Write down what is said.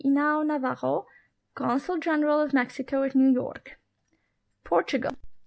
Inau N. Navarro, Consul General of Mexico at New York. PORTUGAL.